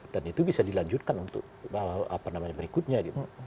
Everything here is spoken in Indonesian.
dan itu bisa dilanjutkan untuk berikutnya